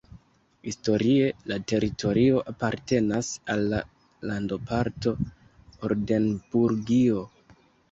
Historie la teritorio apartenas al la landoparto Oldenburgio.